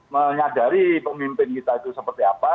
menyadari pemimpin kita itu seperti apa